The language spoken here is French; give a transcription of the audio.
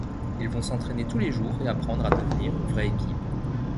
Ils vont s'entrainer tous les jours et apprendre à devenir une vraie équipe.